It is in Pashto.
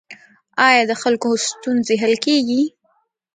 آیا د خلکو ستونزې حل کیږي؟